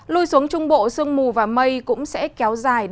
lùi xuống trung bộ sương mù và mây cũng sẽ có thể lên ngưỡng trên hai mươi tám độ